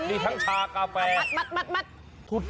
มีทั้งชากาแฟมัด